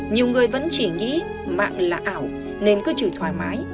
nhiều người vẫn chỉ nghĩ mạng là ảo nên cứ chỉ thoải mái